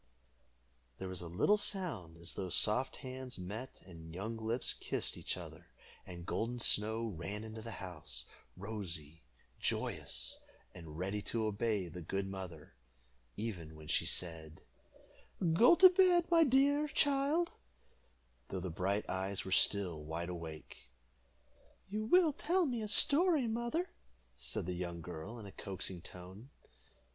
There was a little sound, as though soft hands met and young lips kissed each other, and Golden Snow ran into the house, rosy, joyous, and ready to obey the good mother, even when she said, "Go to bed, my dear child," though the bright eyes were still wide awake. "You will tell me a story, mother," said the young girl, in a coaxing tone.